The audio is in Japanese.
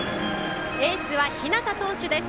エースは日當投手です。